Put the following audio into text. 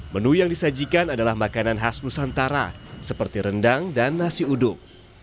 menu yang disajikan adalah makanan khas nusantara seperti rendang dan nasi uduk